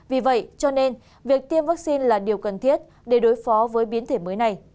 vì vậy cho nên việc tiêm vaccine là điều cần thiết để đối phó với biến thể mới này